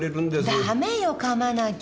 ダメよ。噛まなきゃ。